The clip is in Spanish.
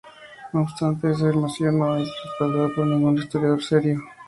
No obstante, esa afirmación no es respaldada por ningún historiador serio.